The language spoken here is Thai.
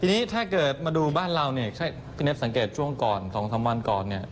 ทีนี้ถ้าเกิดมาดูบ้านเราพี่เนศสังเกตช่วงก่อน๒สังวัลก่อน